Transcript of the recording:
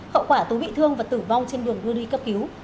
hậu quả tú bị thương và tử vong trên đường đưa đi cấp cứu